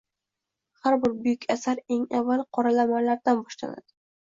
Har bir buyuk asar eng avval qoralamalardan boshlanadi